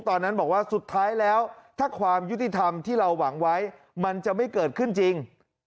ตอนนั้นบอกว่าสุดท้ายแล้วถ้าความยุติธรรมที่เราหวังไว้มันจะไม่เกิดขึ้นจริง